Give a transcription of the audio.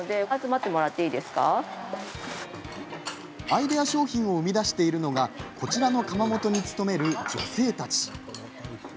アイデア商品を生み出しているのがこちらの窯元に勤める女性たち。